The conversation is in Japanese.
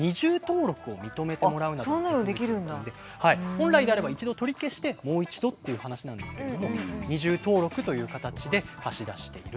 本来であれば一度取り消してもう一度っていう話なんですけれども二重登録という形で貸し出していると。